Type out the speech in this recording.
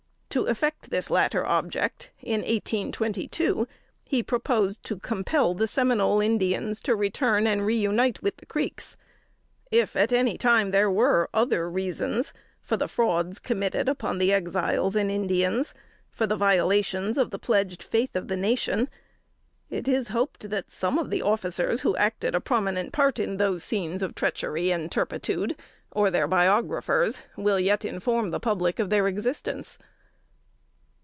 To effect this latter object, in 1822, he proposed to compel the Seminole Indians to return and reunite with the Creeks. If at any time there were other reasons for the frauds committed upon the Exiles and Indians for the violations of the pledged faith of the nation it is hoped that some of the officers who acted a prominent part in those scenes of treachery and turpitude, or their biographers, will yet inform the public of their existence.